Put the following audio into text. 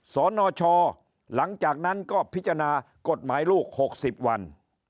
สนชหลังจากนั้นก็พิจารณากฎหมายลูก๖๐วัน